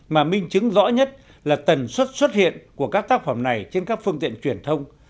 mà minh chứng rõ nhất là tần suất xuất hiện của các tác phẩm này trên các phương tiện truyền thông